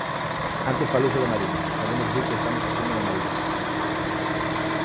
Antes falouse da Mariña, podemos dicir que estamos crecendo na Mariña.